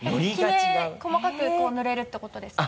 きめ細かく塗れるってことですか？